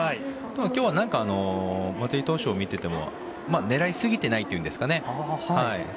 今日は松井投手を見ていても狙いすぎていないというんですかね。